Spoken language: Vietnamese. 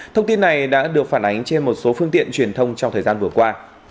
thông tin này đã được phản ánh trên một số phương tiện truyền thông trong thời gian vừa qua